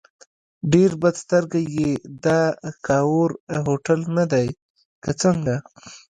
ډېر بد سترګی یې، دا کاوور هوټل نه دی که څنګه؟